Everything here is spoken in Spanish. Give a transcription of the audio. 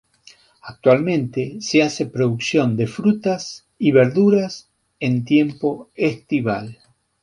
Actualmente se hace producción de frutas y verduras en tiempo estival.